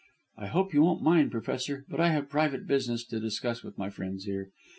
"I hope you won't mind, Professor, but I have private business to discuss with my friends here.